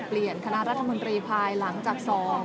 และที่อยู่ด้านหลังคุณยิ่งรักนะคะก็คือนางสาวคัตยาสวัสดีผลนะคะ